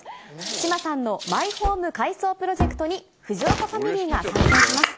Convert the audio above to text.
志麻さんのマイホーム改装プロジェクトに藤岡ファミリーが参戦します。